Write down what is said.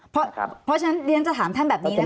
เพราะฉะนั้นเรียนจะถามท่านแบบนี้นะคะ